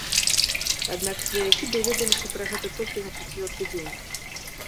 Аднак сваякі даведаліся пра гэта толькі на чацвёрты дзень.